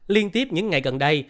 liên tiếp những ngày gần đây